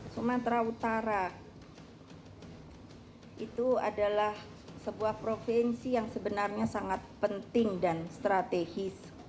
sumatera utara itu adalah sebuah provinsi yang sebenarnya sangat penting dan strategis